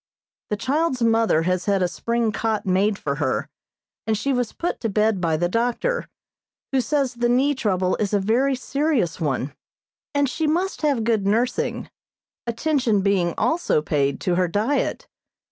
The child's mother has had a spring cot made for her, and she was put to bed by the doctor, who says the knee trouble is a very serious one, and she must have good nursing, attention being also paid to her diet.